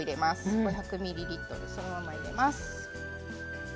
５００ミリリットルそのまま入れます。